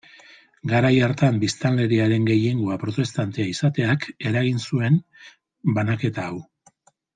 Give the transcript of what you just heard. Garai hartan biztanleriaren gehiengoa protestantea izateak eragin zuen banaketa hau.